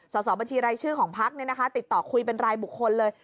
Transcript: สอบบัญชีรายชื่อของพักติดต่อคุยเป็นรายบุคคลเลย